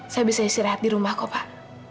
saya bisa isi rahat di rumah kok pak